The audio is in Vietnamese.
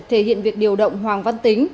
thể hiện việc điều động hoàng văn tính